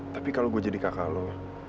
tapi kalau gue jadi kakak lo